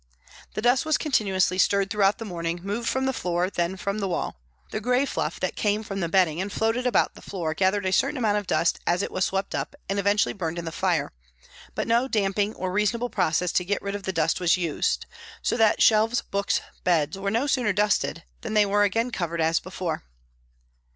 The dust was continuously stirred throughout the morning, moved from the floor, then from the wall. The grey fluff that came from the bedding and floated about the floor gathered a certain amount of dust as it was swept up and eventually burnt in the fire, but no damping or reasonable process to get rid of the dust was used, so that shelves, books, beds, were no sooner dusted than they were again covered as before.